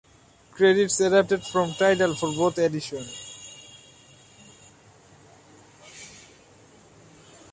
Credits adapted from Tidal for both editions.